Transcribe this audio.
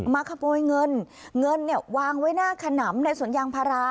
มาขโมยเงินเงินเนี่ยวางไว้หน้าขนำในสวนยางพารา